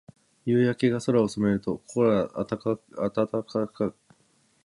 夕焼けが空を染めると、心が温かくなります。